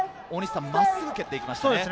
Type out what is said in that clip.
真っすぐ蹴っていきましたね。